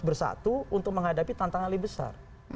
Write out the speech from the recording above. bersatu untuk menghadapi tantangan lebih besar